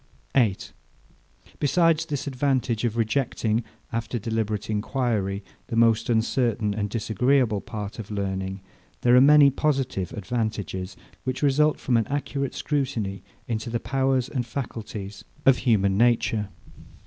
8. Besides this advantage of rejecting, after deliberate enquiry, the most uncertain and disagreeable part of learning, there are many positive advantages, which result from an accurate scrutiny into the powers and faculties of human nature.